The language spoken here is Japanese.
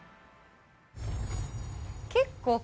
結構。